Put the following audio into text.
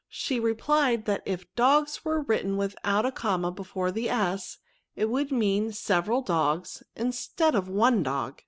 She replied that if dogs were written without a comma before the «, it would mean several dogs instead of one dog."